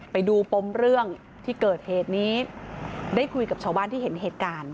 ไปดูปมเรื่องที่เกิดเหตุนี้ได้คุยกับชาวบ้านที่เห็นเหตุการณ์